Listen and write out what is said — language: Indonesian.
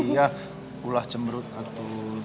ya ulah cemberut atuh